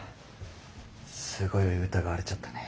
すごい疑われちゃったね。